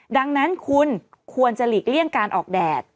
ดังนั้นคุณควรจะหลีกเลี่ยงการออกแดด